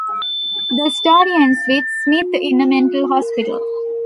The story ends with Smith in a mental hospital.